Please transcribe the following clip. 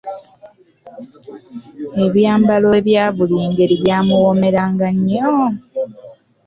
Ebyambalo ebya buli ngeri byamuwoomeranga nnyo.